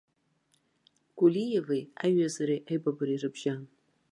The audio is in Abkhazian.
Кулиеви аиҩызареи аибабареи рыбжьан.